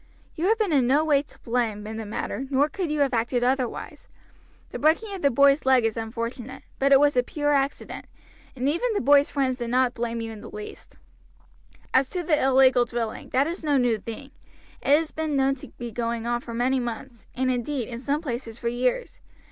"You have been in no way to blame in the matter, nor could you have acted otherwise. The breaking of the boy's leg is unfortunate, but it was a pure accident, and even the boy's friends did not blame you in the matter. As to the illegal drilling, that is no new thing; it has been known to be going on for many months, and, indeed, in some places for years.